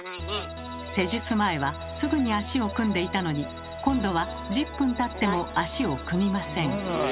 施術前はすぐに足を組んでいたのに今度は１０分たっても足を組みません。